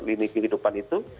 liniki kehidupan itu